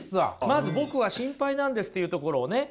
まず「僕は心配なんです」っていうところをね